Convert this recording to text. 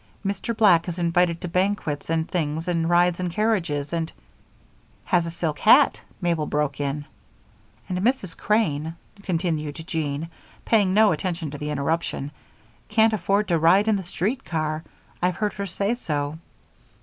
Mr. Black is invited to banquets and things and rides in carriages and " "Has a silk hat," Mabel broke in. "And Mrs. Crane," continued Jean, paying no attention to the interruption, "can't even afford to ride in the street car I've heard her say so."